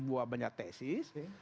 buat banyak tesis